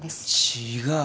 違う。